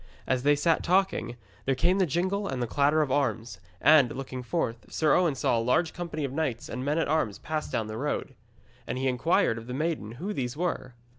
As they sat talking, there came the jingle and clatter of arms, and, looking forth, Sir Owen saw a large company of knights and men at arms pass down the road. And he inquired of the maiden who these were.